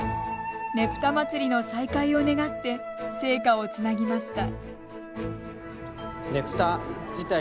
ねぷたまつりの再開を願って聖火をつなぎました。